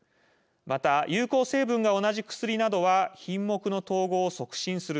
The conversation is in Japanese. また、有効成分が同じ薬などは品目の統合を促進する。